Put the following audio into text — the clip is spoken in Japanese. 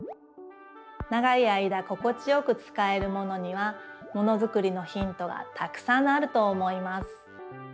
長い間心地よくつかえるものにはものづくりのヒントがたくさんあると思います。